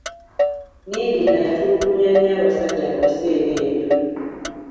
Niigiina yatulugunya nnyo abasajja mu biseera ebyo.